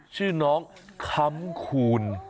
ชื่อน้องคำคูณ